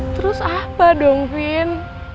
terus apa dong vin